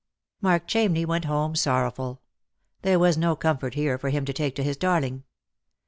Mark Chamney went home sorrowful. There was no comfort here for him to take to his darling.